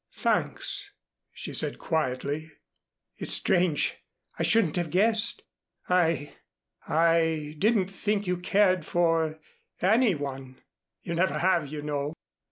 "Thanks," she said quietly. "It's strange I shouldn't have guessed. I I didn't think you cared for any one. You never have, you know.